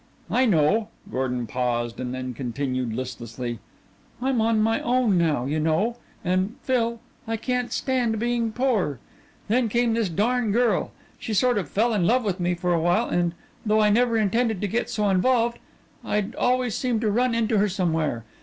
"I know," Gordon paused, and then continued listlessly. "I'm on my own now, you know, and Phil, I can't stand being poor. Then came this darn girl. She sort of fell in love with me for a while and, though I never intended to get so involved, I'd always seem to run into her somewhere.